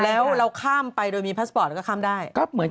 แล้วเราข้ามไปโดยมีพาสปอร์ตแล้วก็ข้ามได้